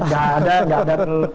gak ada gak ada